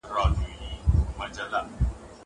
زه به سبا موسيقي اورم وم!!